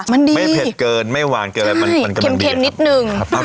มันดีไม่เพ็ดเกินไม่หวานเกินใช่มันแครมเพลินนิดนึงครับ